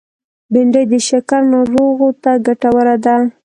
بېنډۍ د شکر ناروغو ته ګټوره ده